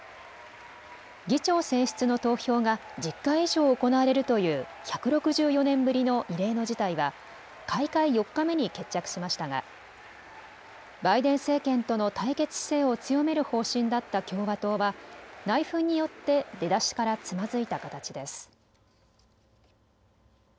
議長選出の投票が１０回以上行われるという１６４年ぶりの異例の事態は開会４日目に決着しましたがバイデン政権との対決姿勢を強める方針だった共和党は内紛によって出だしからつまずいた形です。